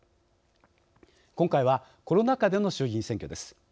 今回はコロナ禍での衆議院選挙です。